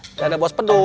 tidak ada bos pedut